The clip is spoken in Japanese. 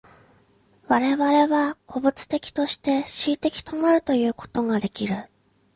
我々は個物的として思惟的となるということができる。